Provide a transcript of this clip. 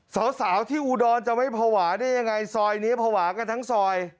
สาวที่อุดรจะไม่ภาวะได้ยังไงซอยนี้ภาวะกันทั้งซอย